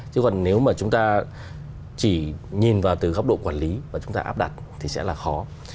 chứ còn nếu mà chúng ta chỉ nhìn vào từ góc độ quản lý và chúng ta áp đặt thì sẽ là khó